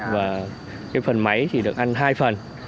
và phần máy chỉ được ăn hai phần